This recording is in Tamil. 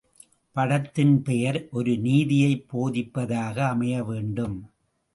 படத்தின் பெயர் ஒரு நீதியைப் போதிப்பதாக அமையவேண்டும்.